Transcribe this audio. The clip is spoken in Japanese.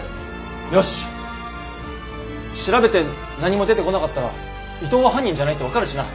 よし調べて何も出てこなかったら伊藤は犯人じゃないって分かるしな。